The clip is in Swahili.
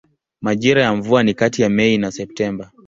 Majira ya mvua ni kati ya Mei na Septemba.